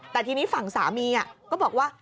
แต่ทีนี้ฝั่งสามีก็บอกว่า